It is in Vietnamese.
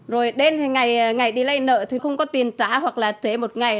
rồi đến ngày đi lấy nợ thì không có tiền trả hoặc là trễ một ngày